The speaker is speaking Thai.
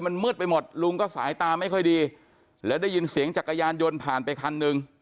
มันมืดไปหมดลุงก็สายตาไม่ค่อยดีแล้วได้ยินเสียงจักรยานยนต์ผ่านไปคันหนึ่ง